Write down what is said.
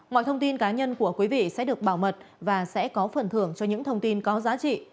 mọi thông tin cá nhân của quý vị sẽ được bảo mật và sẽ có phần thưởng cho những thông tin có giá trị